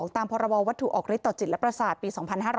ตามพรบวัตถุออกฤทธต่อจิตและประสาทปี๒๕๕๙